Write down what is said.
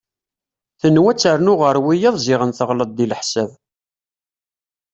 Tenwa ad ternu ɣer wiyaḍ ziɣen teɣleḍ deg leḥsab.